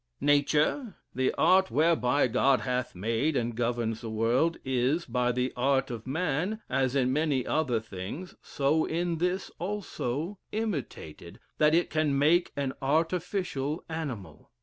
"Nature (the art whereby God hath made and governs the world) is, by the art of man, as in many other things, so in this also, imitated, that it can make an artificial animal.